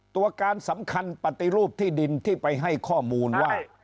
ตัวการสำคัญปฏิรูปที่ดินที่ไปให้ข้อมูลว่า